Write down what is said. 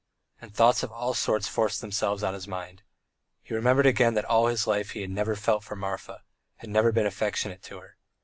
And thoughts of all sorts forced themselves on his mind. He remembered again that all his life he had never felt for Marfa, had never been affectionate to her.